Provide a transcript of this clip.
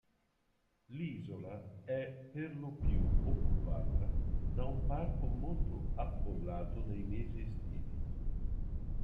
L'isola è per lo più occupata da un parco molto affollato nei mesi estivi.